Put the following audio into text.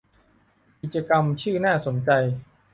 กิจกรรมชื่อน่าสนใจ